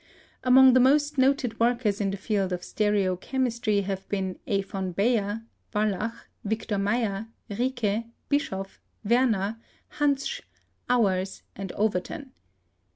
Among the most noted workers in the field of stereo chemistry have been A. von Baeyer, Wallach, Victor Meyer, Riecke, Bischoff, Werner, Hantzsch, Auwers and Overton.